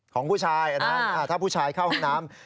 ของผู้ชายนะถ้าผู้ชายเข้าห้องน้ำ